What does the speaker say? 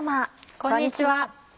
こんにちは。